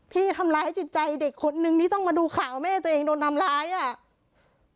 ที่ทำร้ายจิตใจเด็กคนนึงที่ต้องมาดูข่าวแม่ตัวเองโดนทำร้ายอ่ะ